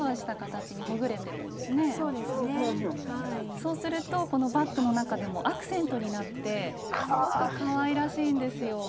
そうするとこのバッグの中でもアクセントになってすごくかわいらしいんですよ。